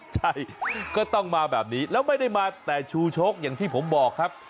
ใช่ก็ต้องมาแบบนี้แล้วไม่ได้มาแต่ชูชกอย่างที่ผมบอกครับ